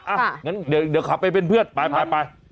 อ่ะงั้นเดี๋ยวขับไปเป็นเพื่อนไปไป